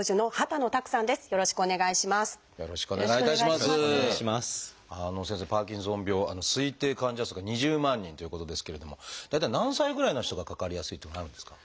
パーキンソン病推定患者数が２０万人ということですけれども大体何歳ぐらいの人がかかりやすいっていうのはあるんですか？